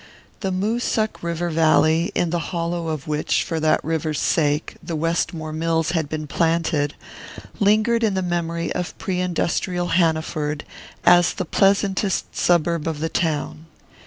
The Moosuc River valley, in the hollow of which, for that river's sake, the Westmore mills had been planted, lingered in the memory of pre industrial Hanaford as the pleasantest suburb of the town.